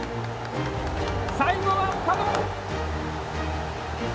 最後は岡野！